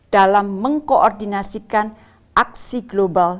dalam mengkoordinasikan aksi global